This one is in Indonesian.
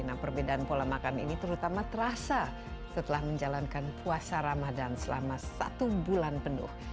nah perbedaan pola makan ini terutama terasa setelah menjalankan puasa ramadan selama satu bulan penuh